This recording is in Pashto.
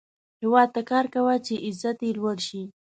هیواد ته کار کوه، چې عزت یې لوړ شي